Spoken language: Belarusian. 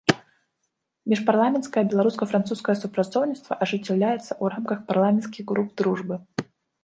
Міжпарламенцкае беларуска-французскае супрацоўніцтва ажыццяўляецца ў рамках парламенцкіх груп дружбы.